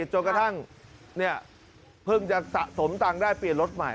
จนกระทั่งเพิ่งจะสะสมตังค์ได้เปลี่ยนรถใหม่